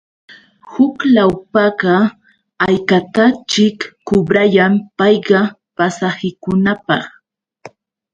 Huk lawpaqa, ¿haykataćhik kubrayan payqa? Pasahikunapaq.